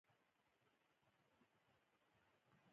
په افغانستان کې بادام له خلکو له اعتقاداتو سره دي.